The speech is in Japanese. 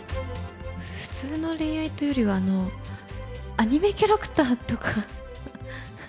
普通の恋愛というよりは、アニメキャラクターとか。